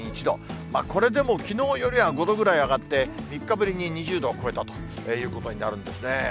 これでもきのうよりは５度ぐらい上がって、３日ぶりに２０度を超えたということになるんですね。